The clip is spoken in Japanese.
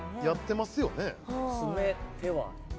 やってますよね。